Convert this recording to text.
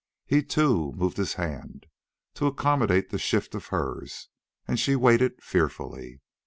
He, too, moved his hand, to accommodate the shift of hers, and she waited fearfully.